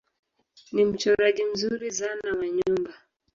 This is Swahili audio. Ni mchoraji mzuri zana wa nyumba